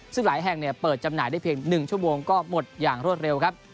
ซึ่งหลายแห่งเปิดจำหน่ายได้เพียง๑ชั่วโมงก็หมดอย่างรวดเร็วครับ